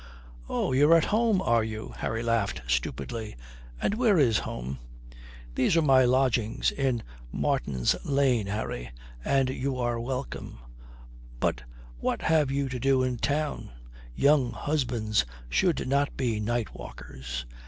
"Oh, you're at home are you?" Harry laughed stupidly. "And where is home?" "These are my lodgings in Martin's Lane, Harry, and you are welcome. But what have you to do in town? Young husbands should not be night walkers."